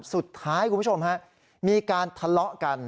คุณผู้ชมฮะมีการทะเลาะกัน